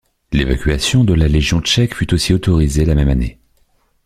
L'évacuation de la légion tchèque fut aussi autorisée la même année.